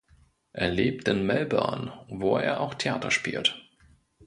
Er lebt in Melbourne, wo er auch Theater spielt.